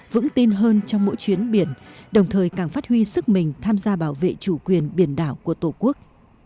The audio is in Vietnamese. vững tin hơn trong mỗi chuyến biển đồng thời càng phát huy sức mình tham gia bảo vệ chủ quyền biển đảo của tổ quốc